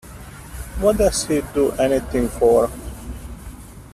What does he do anything for?